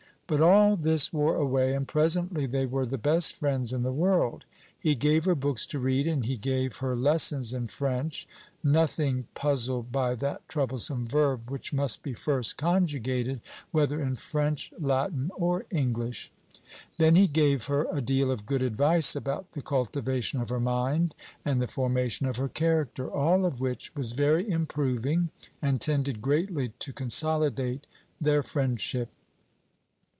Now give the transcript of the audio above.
But all this wore away, and presently they were the best friends in the world. He gave her books to read, and he gave her lessons in French, nothing puzzled by that troublesome verb which must be first conjugated, whether in French, Latin, or English. Then he gave her a deal of good advice about the cultivation of her mind and the formation of her character, all of which was very improving, and tended greatly to consolidate their friendship.